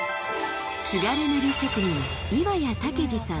津軽塗職人岩谷武治さん